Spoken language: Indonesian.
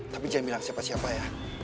tapi saya bilang siapa siapa ya